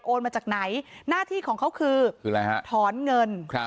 โอนมาจากไหนหน้าที่ของเขาคือถอนเงิน